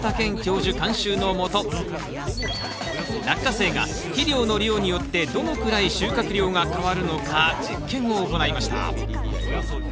監修のもとラッカセイが肥料の量によってどのくらい収穫量が変わるのか実験を行いました。